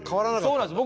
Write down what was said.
そうなんです。